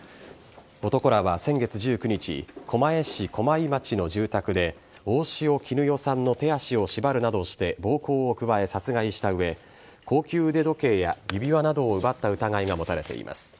男らは先月１９日狛江市駒井町の住宅で大塩衣与さんの手足を縛るなどして暴行を加え殺害した上高級腕時計や指輪などを奪った疑いが持たれています。